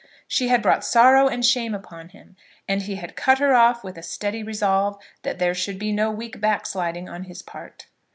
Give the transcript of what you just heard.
She had brought sorrow and shame upon him, and he had cut her off with a steady resolve that there should be no weak backsliding on his part.